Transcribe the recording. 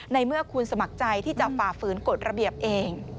ในเมื่อคุณสมัครใจที่จะฝ่าฝืนกฎระเบียบเอง